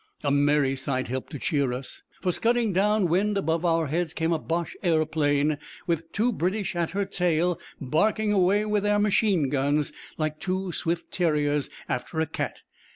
A merry sight helped to cheer us, for scudding down wind above our heads came a Boche aeroplane, with two British at her tail barking away with their machine guns, like two swift terriers after a cat.